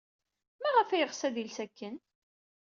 Maɣef ay yeɣs ad yels akken?